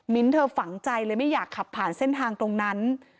เธอฝังใจเลยไม่อยากขับผ่านเส้นทางตรงนั้น